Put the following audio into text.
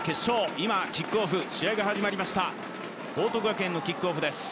今キックオフ試合が始まりました報徳学園のキックオフです